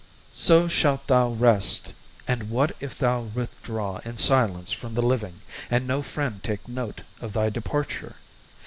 So shalt thou rest, and what if thou withdraw In silence from the living, and no friend Take note of thy departure?